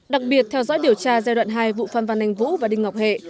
đặc biệt theo dõi điều tra giai đoạn hai vụ phan văn anh vũ và đinh ngọc hệ